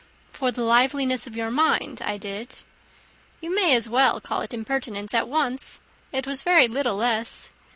"For the liveliness of your mind I did." "You may as well call it impertinence at once. It was very little less.